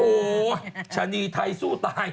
โอ้โหชะนีไทยสู้ตาย